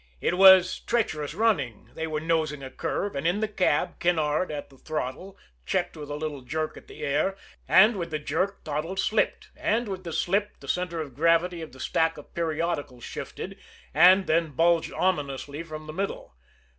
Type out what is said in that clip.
It was treacherous running, they were nosing a curve, and in the cab, Kinneard, at the throttle, checked with a little jerk at the "air." And with the jerk, Toddles slipped; and with the slip, the center of gravity of the stack of periodicals shifted, and they bulged ominously from the middle.